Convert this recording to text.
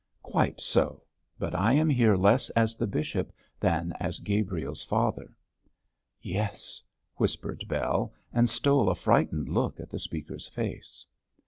'Quite so; but I am here less as the bishop than as Gabriel's father.' 'Yes,' whispered Bell, and stole a frightened look at the speaker's face.